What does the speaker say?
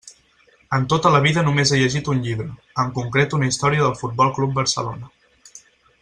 En tota la vida només he llegit un llibre, en concret una història del Futbol Club Barcelona.